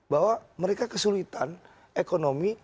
bahwa mereka kesulitan ekonomi